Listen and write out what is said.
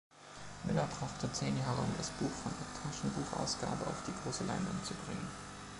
Miller brauchte zehn Jahre, um das Buch von der Taschenbuchausgabe auf die große Leinwand zu bringen.